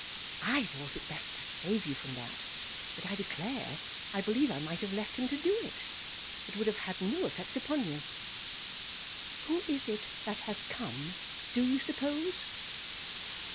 I thought it best to save you from that; but, I declare, I believe I might have left him to do it; it would have had no effect upon you. Who is it that has come, do you suppose?"